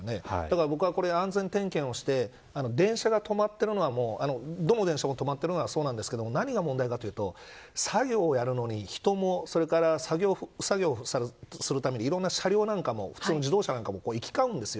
だから、僕は、安全点検をして電車が止まってどの電車も止まってるのはそうなんですが何が問題かというと作業をやるのに作業するためにいろんな車両なんかも自動車なんかも行き交うんです。